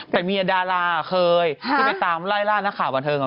แต่มีดาราเคยไปตามรายราชนักข่าวบันเทิง